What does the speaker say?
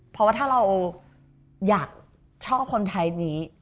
เพราะว่าถ้าเราอยากชอบคนไทยนี้